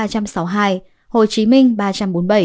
hồ chí minh ba trăm bốn mươi bảy